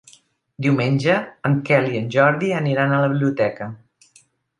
Diumenge en Quel i en Jordi aniran a la biblioteca.